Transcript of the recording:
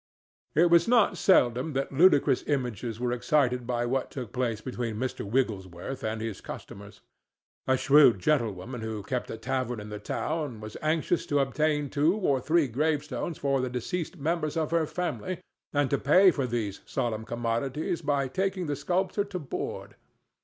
It was not seldom that ludicrous images were excited by what took place between Mr. Wigglesworth and his customers. A shrewd gentlewoman who kept a tavern in the town was anxious to obtain two or three gravestones for the deceased members of her family, and to pay for these solemn commodities by taking the sculptor to board.